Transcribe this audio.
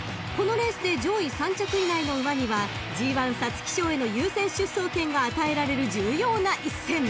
［このレースで上位３着以内の馬にはＧⅠ皐月賞への優先出走権が与えられる重要な一戦］